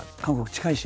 近いし。